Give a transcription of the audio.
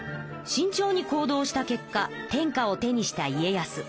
しんちょうに行動した結果天下を手にした家康。